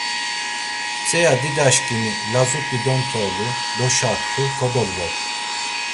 Mtzea didaşǩimi, lazut̆i dontolu, doşatxu kodolvobğu.